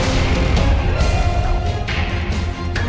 mama punya rencana